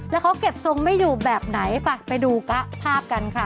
แล้วเขาเก็บทรงไม่อยู่แบบไหนไปไปดูภาพกันค่ะ